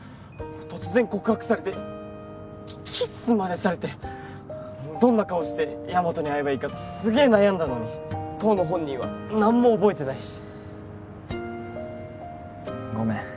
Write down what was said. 突然告白されてキッスまでされてどんな顔してヤマトに会えばいいかすげえ悩んだのに当の本人は何も覚えてないしごめん